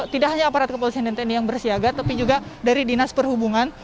tidak hanya aparat kepolisian dan tni yang bersiaga tapi juga dari dinas perhubungan